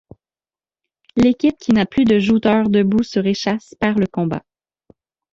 L'équipe qui n'a plus de jouteur debout sur échasses perd le combat.